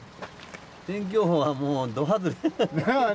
天気予報はもうど外れ。